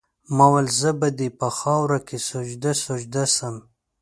ما ویل زه به دي په خاوره کي سجده سجده سم